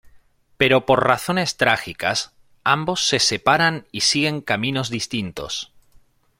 Pero por razones trágicas, ambos se separan y siguen caminos distintos.